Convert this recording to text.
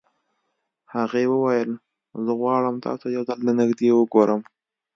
هغې وويل زه غواړم تاسو يو ځل له نږدې وګورم.